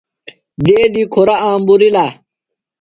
دیدی کُھرہ آمبورِیلہ